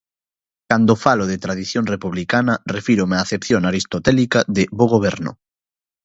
Cando falo de tradición republicana refírome á acepción aristotélica de 'bo goberno'.